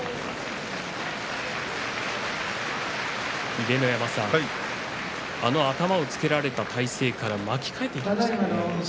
秀ノ山さん、あの頭をつけられた体勢から巻き替えていきましたね。